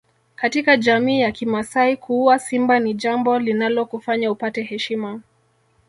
Katika jamii ya kimasai kuua Simba ni jambo linalokufanya upate heshima